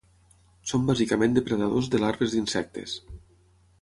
Són bàsicament depredadors de larves d'insectes.